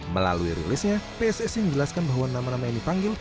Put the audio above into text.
melalui rilisnya pssi menjelaskan bahwa nama nama yang dipanggil